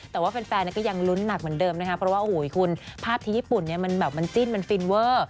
แต่ว่าแฟนก็ยังลุ้นหนักเหมือนเดิมนะคะเพราะว่าโอ้โหคุณภาพที่ญี่ปุ่นเนี่ยมันแบบมันจิ้นมันฟินเวอร์